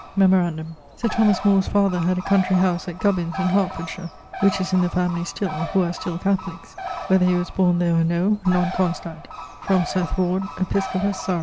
Memorandum: Sir Thomas More's father had a countrey house at Gubbins in Hertfordshire, which is in the familie still, who are still Catholiques; whether he was borne there or no, non constat: Seth Ward, episcopus Sarum.